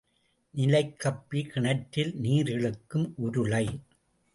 நிலைக் கப்பி கிணற்றில் நீர் இழுக்கும் உருளை.